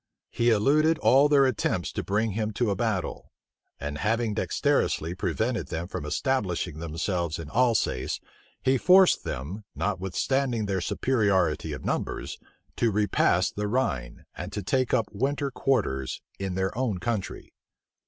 He eluded all their attempts to bring him to a battle. And having dexterously prevented them from establishing themselves in Alsace, he forced them, notwithstanding their superiority of numbers, to repass the Rhine, and to take up winter quarters in their own country.